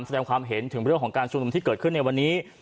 แสดงความเห็นถึงเรื่องของการชุมนุมที่เกิดขึ้นในวันนี้